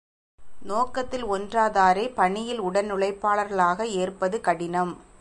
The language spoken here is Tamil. நோக்கத்தில் ஒன்றாதாரைப் பணியில் உடனுழைப்பாளர்களாக ஏற்பது கடினம்.